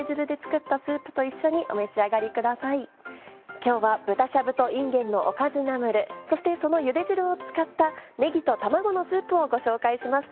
今日は「豚しゃぶといんげんのおかずナムル」そしてそのゆで汁を使った「ねぎと卵のスープ」をご紹介しました。